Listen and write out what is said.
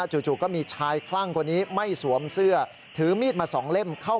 โทษทีโทษทีโทษทีโทษที